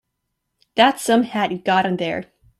That's some hat you got on there.